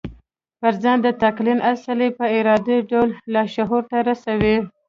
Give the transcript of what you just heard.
پر ځان د تلقين اصل يې په ارادي ډول لاشعور ته رسوي.